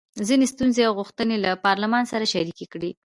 خپلې ستونزې او غوښتنې له پارلمان سره شریکې کړي.